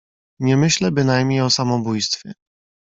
"Nie myślę bynajmniej o samobójstwie."